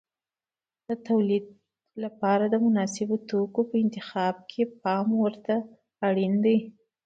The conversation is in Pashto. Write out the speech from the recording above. د تولید لپاره د مناسبو توکو په انتخاب کې پام ورته اړین دی.